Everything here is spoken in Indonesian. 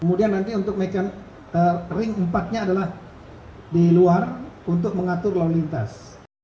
untuk ring empatnya adalah di luar untuk mengatur lalu lintas